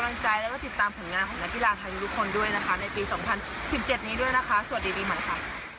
ในปี๒๐๑๗นี้ด้วยนะคะสวัสดีปีใหม่ค่ะ